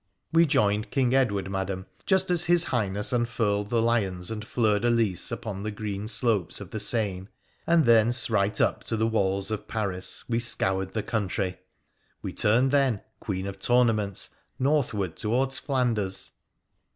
We joined King Edward, Madam, just as his Highness unfurled the lions and fleur de lys upon the green slopes of the Seine, and thence, right up to the walls of Paris, we scoured the country. We turned then, Queen of Tourna ments, northward, towards Flanders.